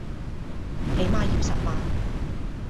起碼要十萬